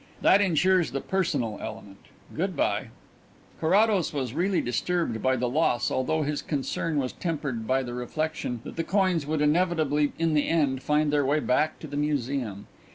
That ensures the personal element. Good bye." Carrados was really disturbed by the loss although his concern was tempered by the reflection that the coins would inevitably in the end find their way back to the Museum.